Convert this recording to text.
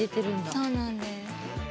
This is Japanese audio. はいそうなんです。